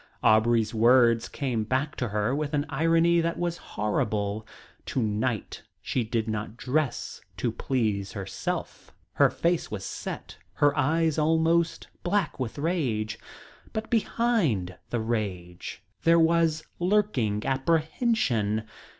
Aubrey's words came back to her with an irony that was horrible. To night she did not dress to please herself. Her face was set, her eyes almost black with rage, but behind the rage there was lurking apprehension.